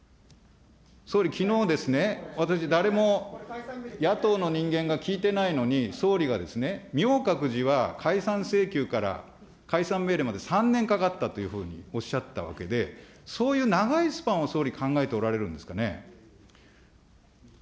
総理、きのう、私、誰も野党の人間が聞いてないのに、総理がですね、明覚寺は解散請求から解散命令まで３年かかったというふうにおっしゃったわけで、そういう長いスパンを総理、考えておられるんですかね。